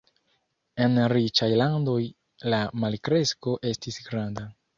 En riĉaj landoj la malkresko estis granda.